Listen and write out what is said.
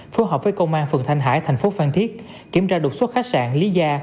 phù hợp với công an phường thanh hải thành phố phan thiết kiểm tra đột xuất khách sạn lý gia